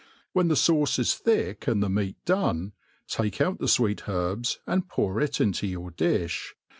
When the fauce is thick and the meat done, take out the fweet herbs, and pour it into your diih.